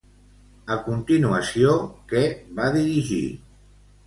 A continuació, què va dirigir?